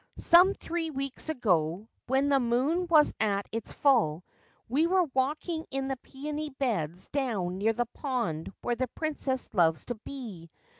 Some three weeks ago, when the moon was at its full, we were walking in the peony beds down near the pond where the Princess loves to be.